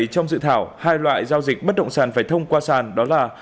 trong dự thảo hai loại giao dịch bất động sản phải thông qua sàn đó là